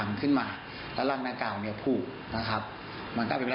มันก็เป็นแรกว่ากรกบที่มาแล้วอาจจะหลุดออกจากรันนอกรังหรือเปล่า